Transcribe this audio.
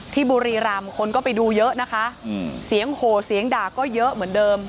บุรีรำคนก็ไปดูเยอะนะคะเสียงโหเสียงด่าก็เยอะเหมือนเดิม